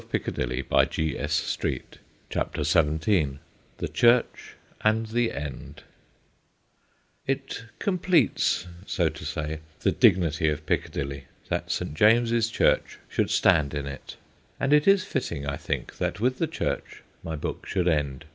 THE CHURCH AND THE END 269 CHAPTEK XVII THE CHURCH AND THE END IT completes, so to say, the dignity of Picca dilly that St. James's Church should stand in it. And it is fitting, I think, that with the church my book should end.